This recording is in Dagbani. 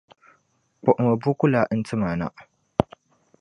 Kpuɣimi buku la nti ma na.